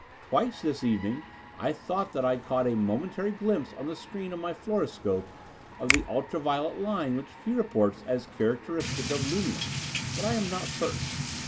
Twice this evening I thought that I caught a momentary glimpse on the screen of my fluoroscope of the ultra violet line which he reports as characteristic of lunium, but I am not certain.